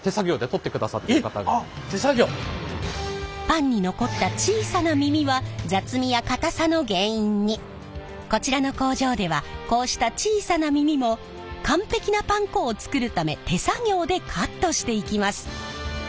パンに残った小さな耳はこちらの工場ではこうした小さな耳も完璧なパン粉を作るため手作業でカットしていきます。